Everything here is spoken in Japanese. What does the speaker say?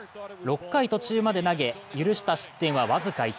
６回途中まで投げ、許した失点は僅か１。